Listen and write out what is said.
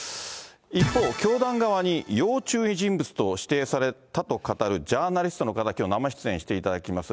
一方、教団側に要注意人物と指定されたと語るジャーナリストの方、きょう生出演していただきます。